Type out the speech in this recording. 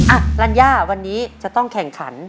อ่ะรัญญาวันนี้จะต้องแข่งขัน